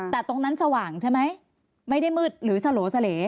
แต่ตรงนั้นสว่างใช่ไหมไม่ได้มืดหรือสโหลเสล่